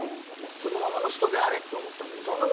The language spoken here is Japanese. そのままの人であれって思ったんだけどね。